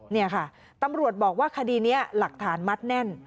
นี่ค่ะตำรวจบอกว่าคดีนี้หลักฐานมัดแน่น